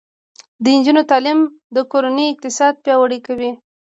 د نجونو تعلیم د کورنۍ اقتصاد پیاوړی کوي.